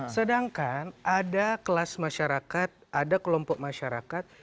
sedangkan ada kelas masyarakat ada kelompok masyarakat